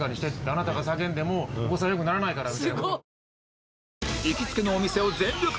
「あなたが叫んでもお子さんよくならないから」。